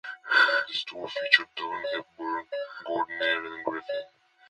This tour featured Dunne, Hepburn, Gardiner and Griffin.